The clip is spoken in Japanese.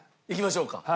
いきましょうか。